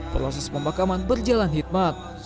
proses pembakaman berjalan hitmat